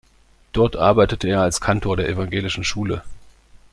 Dort arbeitete er als Kantor der evangelischen Schule.